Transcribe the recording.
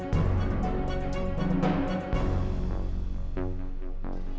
tidak ada apa apa